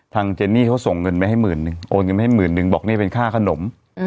เจนนี่เขาส่งเงินไปให้หมื่นนึงโอนเงินไปให้หมื่นนึงบอกนี่เป็นค่าขนม